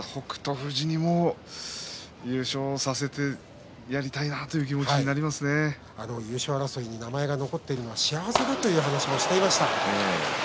富士にも優勝をさせてやりたいなという気持ちに優勝争いに名前が残ってるのだけで幸せだという話をしていました。